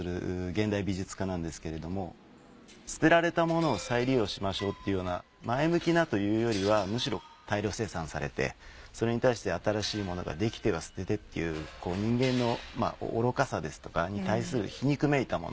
現代美術家なんですけれども捨てられたものを再利用しましょうっていうような前向きなというよりはむしろ大量生産されてそれに対して新しいものができては捨ててっていう人間の愚かさですとかに対する皮肉めいたもの